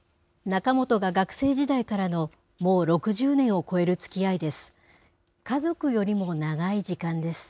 仲本が学生時代からの、もう６０年を超えるつきあいです。